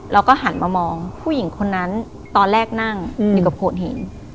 แล้วก็หันมามองผู้หญิงคนนั้นตอนแรกนั่งอยู่กับโขดหิน